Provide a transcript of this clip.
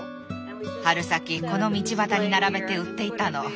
春先この道端に並べて売っていたの。